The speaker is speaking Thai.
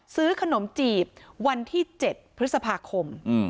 ซื้อขนมจีบวันที่๗พฤษภาคม